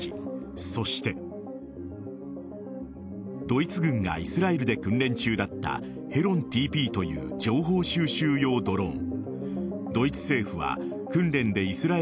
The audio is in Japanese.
そしてドイツ軍がイスラエルで訓練中だったヘロンＴＰという情報収集用ドローン。